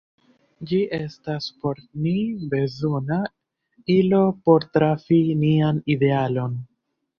Ĝi estas por ni bezona ilo por trafi nian idealon.